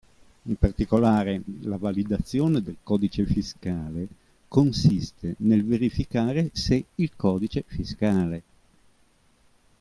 In particolare, la validazione del codice fiscale consiste nel verificare se il codice fiscale.